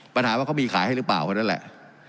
ปัญหาว่าเขามีขายให้หรือเปล่าคนนั้นแหละ